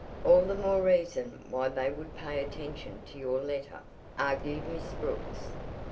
"All the more reason why they would pay attention to your letter," argued Miss Brooks.